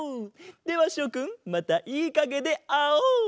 ではしょくんまたいいかげであおう。